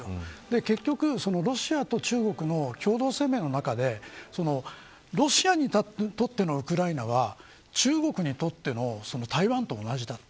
結局、ロシアと中国の共同声明の中でロシアにとってのウクライナは中国にとっての台湾と同じだ。